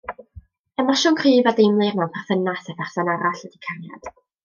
Emosiwn cryf a deimlir mewn perthynas â pherson arall ydy cariad.